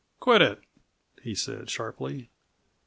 "Quit it!" he said sharply.